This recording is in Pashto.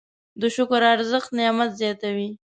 د شکر ارزښت نعمت زیاتوي.